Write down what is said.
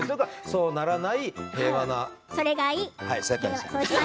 そうならない平和な世界。